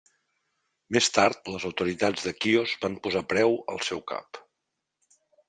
Més tard les autoritats de Quios van posar preu al seu cap.